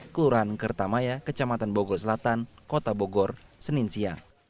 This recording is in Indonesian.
kelurahan kertamaya kecamatan bogor selatan kota bogor senin siang